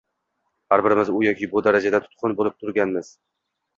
— har birimiz u yoki bu darajada tutqun bo‘lib turganimiz